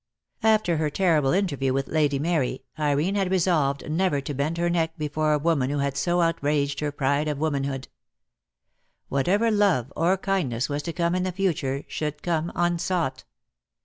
After her terrible interview with Lady Mary, Irene had resolved never to bend her neck before a woman who had so outraged her pride of woman hood. Whatever love or kindness was to come in the future should come unsought.